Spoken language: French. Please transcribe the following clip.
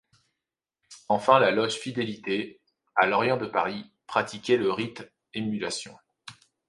Enfin la loge Fidélité, à l'orient de Paris, pratiquait le Rite émulation.